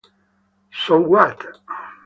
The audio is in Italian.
So What!